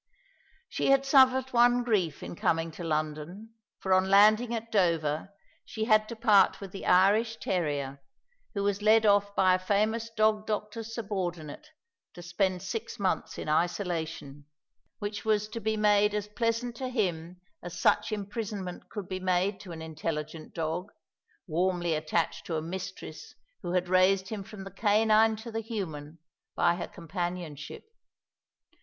She had suffered one grief in coming to London, for on landing at Dover she had to part with the Irish terrier, who was led off by a famous dog doctor's subordinate, to spend six months in isolation, which was to be made as pleasant to him as such imprisonment could be made to an intelligent dog, warmly attached to a mistress who had raised him from the canine to the human by her companionship.